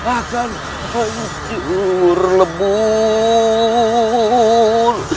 akan hancur lembul